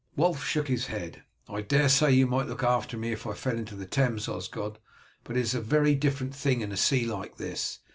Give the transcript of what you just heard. Wulf shook his head. "I daresay you might look after me if I fell into the Thames, Osgod, but it is a very different thing in a sea like this.